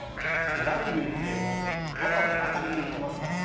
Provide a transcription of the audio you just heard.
ラグビーってわざと当たりにいってますからね。